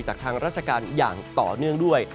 ทางราชการอย่างต่อเนื่องด้วย